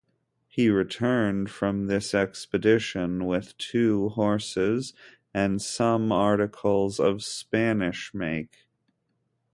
He returned from this expedition with two horses and some articles of Spanish make.